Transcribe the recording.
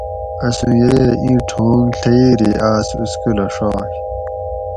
اسوں ییہ اِیں ٹھونگ ڷئیری آۤس سکولہ ڛائے